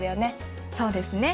そうですね。